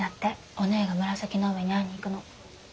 おねぇが紫の上に会いに行くの。